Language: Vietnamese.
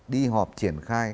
đi họp triển khai